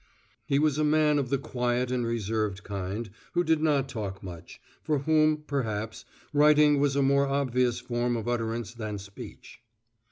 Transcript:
He was a man of the quiet and reserved kind, who did not talk much, for whom, perhaps, writing was a more obvious form of utterance than speech.